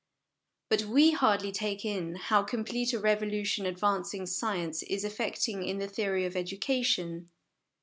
But we hardly take in how complete a revolution advancing science is effecting in the theory of educa tion.